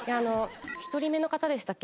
１人目の方でしたっけ